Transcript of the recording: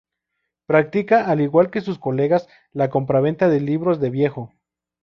Practica, al igual que sus colegas, la compraventa de libros de viejo.